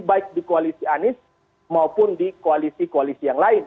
baik di koalisi anies maupun di koalisi koalisi yang lain